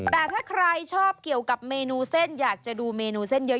แต่ถ้าใครชอบเกี่ยวกับเมนูเส้นอยากจะดูเมนูเส้นเยอะ